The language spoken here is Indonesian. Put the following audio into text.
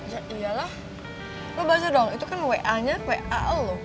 ya iyalah lo bahasa dong itu kan wa nya wa e lo